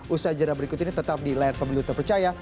usai jeda berikut ini tetap di layar pembeli untuk percaya